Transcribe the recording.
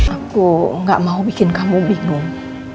aku gak mau bikin kamu bingung